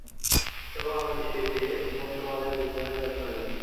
এবং আমি নিশ্চিত যে, বোন তোমাদের দুজনের যত্ন নেবে।